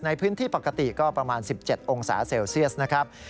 ในพื้นที่ปกติก็ประมาณ๑๗องศาเซลเซียสนะครับ